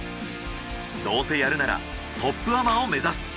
どうせやるならトップアマを目指す。